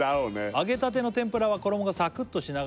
「揚げたての天ぷらは衣がサクッとしながらも」